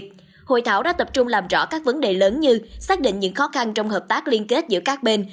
chúng làm rõ các vấn đề lớn như xác định những khó khăn trong hợp tác liên kết giữa các bên